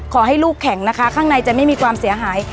ขอให้ลูกแข็งนะคะข้างในจะไม่มีความเสียหาย